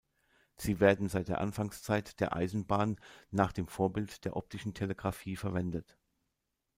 Sie werden seit der Anfangszeit der Eisenbahn nach dem Vorbild der optischen Telegrafie verwendet.